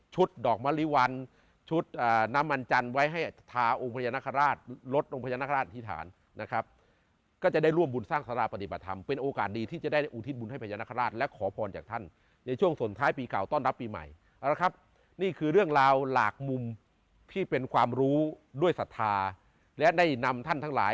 ดอกมะลิวันชุดน้ำมันจันทร์ไว้ให้ทาองค์พญานาคาราชลดองค์พญานาคาราชอธิษฐานนะครับก็จะได้ร่วมบุญสร้างสาราปฏิบัติธรรมเป็นโอกาสดีที่จะได้อุทิศบุญให้พญานาคาราชและขอพรจากท่านในช่วงสนท้ายปีเก่าต้อนรับปีใหม่เอาละครับนี่คือเรื่องราวหลากมุมที่เป็นความรู้ด้วยศรัทธาและได้นำท่านทั้งหลาย